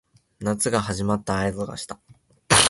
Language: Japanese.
夏が始まった合図がした